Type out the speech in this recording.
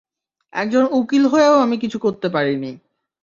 একজন উকিল হয়েও আমি কিছুই করতে পারিনি।